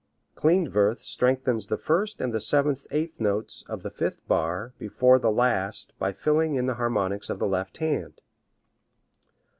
Klindworth strengthens the first and the seventh eighth notes of the fifth bar before the last by filling in the harmonics of the left hand.